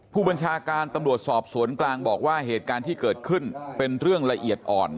ผู้บัญชาการตำรวจสอบสวนกลางบอกว่าเหตุการณ์ที่เกิดขึ้นเป็นเรื่องละเอียดอ่อน